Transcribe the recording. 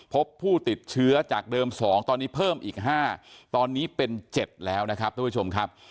พบผู้ติดเชื้อจากเดิม๒ตอนนี้เพิ่มอีก๕ตอนนี้เป็น๗แล้วนะครับท่านผู้ชมครับ